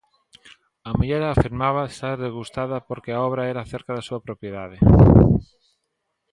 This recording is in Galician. A muller afirmaba estar desgustada porque a obra era cerca da súa propiedade.